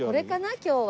今日は。